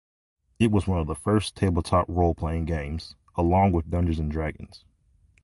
It was one of the first tabletop role-playing games, along with "Dungeons and Dragons".